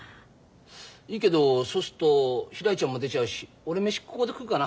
いいけどそうすっとひらりちゃんも出ちゃうし俺飯ここで食うかな。